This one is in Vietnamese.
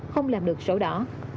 không làm được sổ đỏ